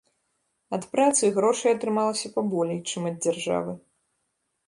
Ад працы грошай атрымалася паболей, чым ад дзяржавы.